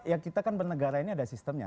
ya kita kan bernegara ini ada sistemnya